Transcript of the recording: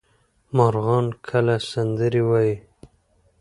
مرغان کله سندرې وايي؟